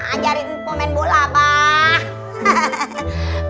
ajarin gue main bola pak